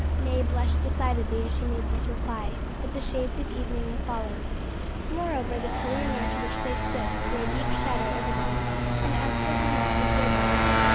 May blushed decidedly as she made this reply, but the shades of evening were falling. Moreover, the pillar near to which they stood threw a deep shadow over them, and Aspel did not observe it.